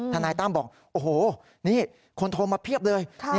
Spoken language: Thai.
นายตั้มบอกโอ้โหนี่คนโทรมาเพียบเลย